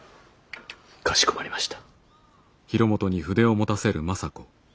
かしこまりました。